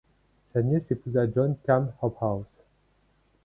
Sa nièce épousa John Cam Hobhouse.